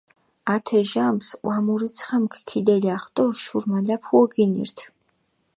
ათე ჟამსჷ ჸვამურიცხამქ ქიდელახჷ დო შურიმალაფუო გინირთჷ.